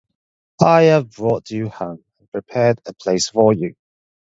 I have brought you home and prepared a place for you.